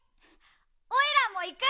おいらもいく！